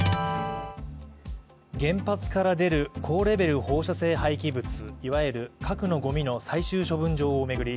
原発から出る高レベル放射性廃棄物、いわゆる核のごみの最終処分場を巡り